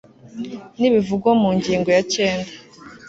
nibivugwa mu ngingo ya cyenda